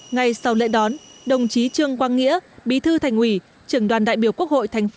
ngay sau lễ đón đồng chí trương quang nghĩa bí thư thành ủy trưởng đoàn đại biểu quốc hội